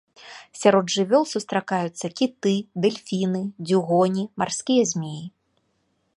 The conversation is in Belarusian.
Сярод жывёл сустракаюцца кіты, дэльфіны, дзюгоні, марскія змеі.